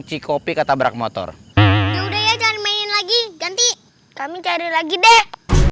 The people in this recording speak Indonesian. di copy kata brak motor main lagi ganti kami cari lagi deh